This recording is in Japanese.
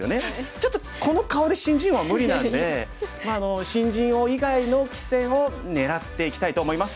ちょっとこの顔で新人王は無理なんでまあ新人王以外の棋戦を狙っていきたいと思います！